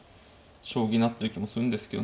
将棋になってる気もするんですけど何か。